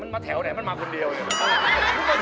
มันมาแถวไหนมันมาคนเดียวเนี่ย